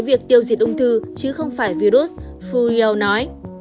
việc tiêu diệt ung thư chứ không phải virus fulyal nói